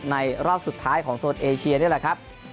รอบสุดท้ายของโซนเอเชียนี่แหละครับ